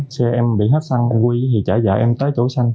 xe em bị hết xăng anh huy trả vợ em tới chỗ xanh